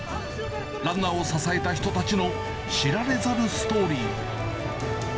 ランナーを支えた人たちの知られざるストーリー。